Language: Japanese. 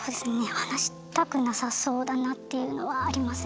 話したくなさそうだなっていうのはありますね。